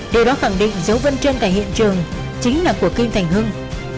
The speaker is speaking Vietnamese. điều đó khẳng định dấu vân chân tại hiện trường chính là của kim thành hưng